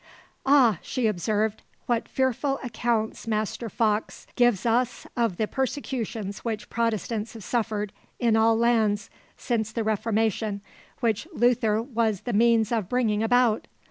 "Ah," she observed, "what fearful accounts Master Foxe gives us of the persecutions which Protestants have suffered in all lands since the Reformation which Luther was the means of bringing about!